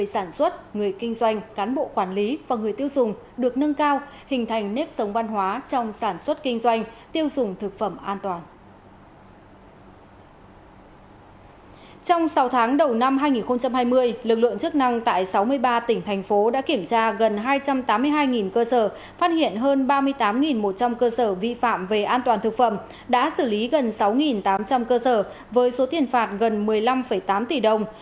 sau tháng đầu năm hai nghìn hai mươi lực lượng chức năng tại sáu mươi ba tỉnh thành phố đã kiểm tra gần hai trăm tám mươi hai cơ sở phát hiện hơn ba mươi tám một trăm linh cơ sở vi phạm về an toàn thực phẩm đã xử lý gần sáu tám trăm linh cơ sở với số thiền phạt gần một mươi năm tám tỷ đồng